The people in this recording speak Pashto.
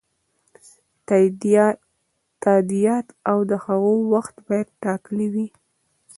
تادیات او د هغو وخت باید ټاکلی وي.